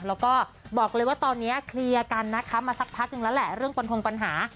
แล้วก็บอกเลยว่าตอนนี้เคลียร์กันนะคะมาสักพักหนึ่งแล้วแหละเรื่องปนคงปัญหา